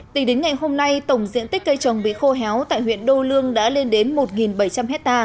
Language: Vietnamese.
tính đến ngày hôm nay tổng diện tích cây trồng bị khô héo tại huyện đô lương đã lên đến một bảy trăm linh hectare